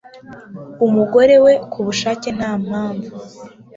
umugore we ku bushake nta mpamvu